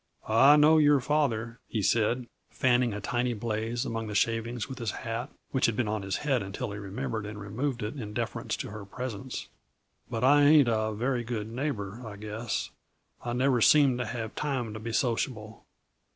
"I know your father," he said, fanning a tiny blaze among the shavings with his hat, which had been on his head until he remembered and removed it in deference to her presence. "But I ain't a very good neighbor, I guess; I never seem to have time to be sociable.